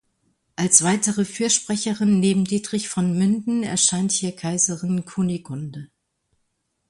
Als weitere Fürsprecherin neben Dietrich von Minden erscheint hier Kaiserin Kunigunde.